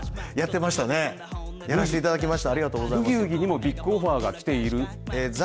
やらせていただきました。